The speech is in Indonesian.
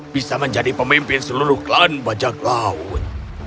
bisa menjadi pemimpin seluruh klan bajak laut